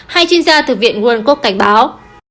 hai chuyên gia thực viện world cup cảnh báo